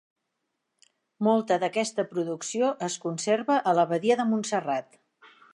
Molta d'aquesta producció es conserva a l'abadia de Montserrat.